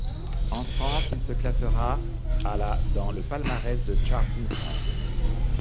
En France il se classera à la dans le palmarès de Charts in France.